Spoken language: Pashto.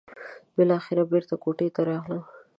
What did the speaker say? بالاخره بېرته کوټې ته راغلم.